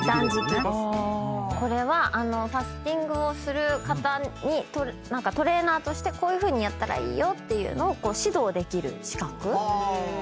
これはファスティングをする方にトレーナーとしてこういうふうにやったらいいよっていうのを指導できる資格ですね。